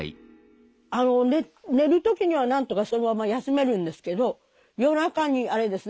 寝る時にはなんとかそのまま休めるんですけど夜中にあれですね